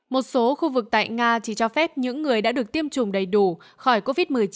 một số khu vực tại nga chỉ cho phép những người đã được tiêm chủng đầy đủ khỏi covid một mươi chín